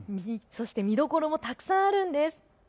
見どころもたくさんあるんです。